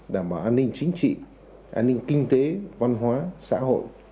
đảm bảo an ninh chính trị an ninh kinh tế văn hóa xã hội